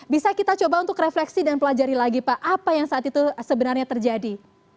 bisa kita coba untuk refleksi dan pelajari lagi pak apa yang saat itu sebenarnya terjadi